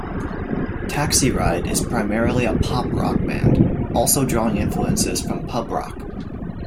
Taxiride is primarily a pop rock band, also drawing influences from pub rock.